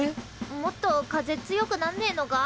もっと風強くなんねえのか？